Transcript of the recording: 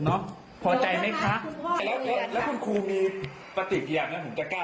เดี๋ยวคุณพ่อจะได้ให้คุณเปลี่ยนยังไงในเมื่อมันเขียนแล้วก็ใช้ไปแล้ว